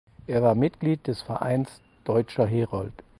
Er war Mitglied des Vereins "Deutscher Herold".